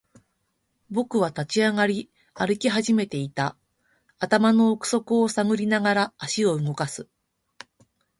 僕は立ち上がり、歩き始めていた。頭の奥底を探りながら、足を動かす。